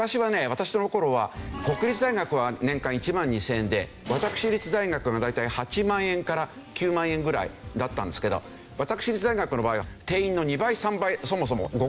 私の頃は国立大学は年間１万２０００円で私立大学が大体８万円から９万円ぐらいだったんですけど私立大学の場合は。